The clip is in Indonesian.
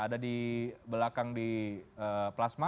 ada di belakang di plasma